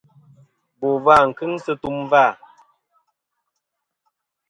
Bò vâ nɨn kɨŋ sɨ tum vâ.